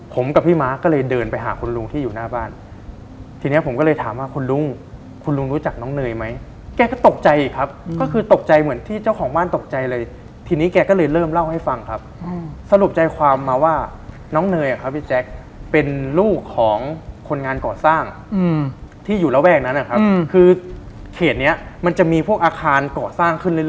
ผมกับพี่ม้าก็เลยเดินไปหาคุณลุงที่อยู่หน้าบ้านทีนี้ผมก็เลยถามว่าคุณลุงคุณลุงรู้จักน้องเนยไหมแกก็ตกใจอีกครับก็คือตกใจเหมือนที่เจ้าของบ้านตกใจเลยทีนี้แกก็เลยเริ่มเล่าให้ฟังครับสรุปใจความมาว่าน้องเนยอะครับพี่แจ๊คเป็นลูกของคนงานก่อสร้างที่อยู่ระแวกนั้นนะครับคือเขตเนี้ยมันจะมีพวกอาคารก่อสร้างขึ้นเร